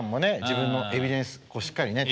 自分のエビデンスしっかりね